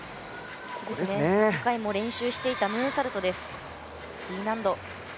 何回も練習していたムーンサルトです。